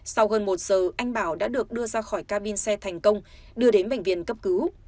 sau gần một giờ anh bảo đã được đưa ra khỏi ca bin xe thành công đưa đến bệnh viện cấp cứu